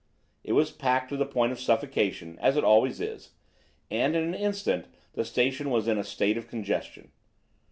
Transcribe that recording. It was packed to the point of suffocation, as it always is, and in an instant the station was in a state of congestion.